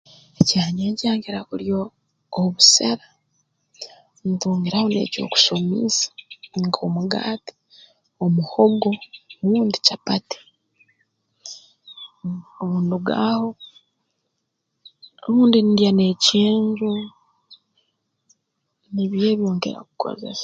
Ekyanyenkya nkira kulya o obusera ntungiraho n'eky'okusomiisa nk'omugaate omuhogo rundi capati obu nduga aho rundi ndya n'ekyenju nibyo ebyo nkira kukozesa